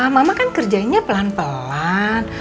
mama kan kerjanya pelan pelan